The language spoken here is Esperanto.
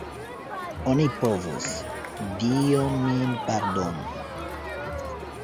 Oni povus, Dio min pardonu!